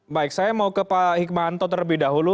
baik saya mau ke pak hikmanto terlebih dahulu